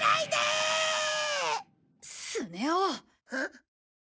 スネ夫。